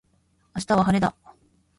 明日は晴れだ。